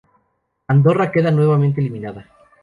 Andorra queda nuevamente eliminada.